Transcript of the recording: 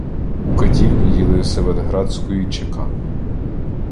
У катівні Єлисаветградської ЧК